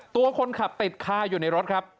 ตัวคนขับติดคาอยู่ในรถครับ